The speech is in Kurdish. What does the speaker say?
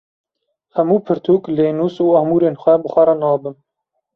Hemû pirtûk, lênûs û amûrên xwe bi xwe re nabim.